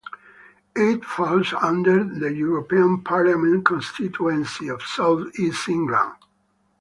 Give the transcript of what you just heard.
It falls under the European Parliament constituency of South East England.